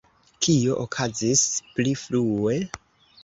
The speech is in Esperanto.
Kio okazis pli frue?